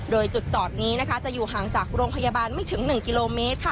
โดยจุดจอดนี้นะคะจะอยู่ห่างจากโรงพยาบาลไม่ถึง๑กิโลเมตรค่ะ